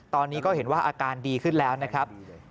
ตอนนี้ก็เห็นว่าอาการดีขึ้นแล้วนะครับ